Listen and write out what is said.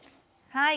はい。